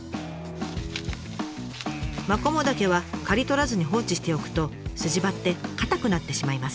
マコモダケは刈り取らずに放置しておくと筋張って硬くなってしまいます。